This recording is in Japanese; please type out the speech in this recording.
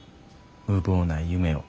無謀な夢を。